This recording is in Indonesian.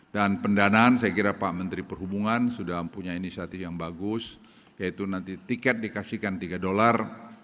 dan pendanaan saya kira pak menteri perhubungan sudah punya inisiatif yang bagus yaitu nanti tiket dikasihkan tiga dolar